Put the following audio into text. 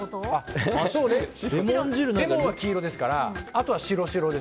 レモンは黄色ですからあとは白です。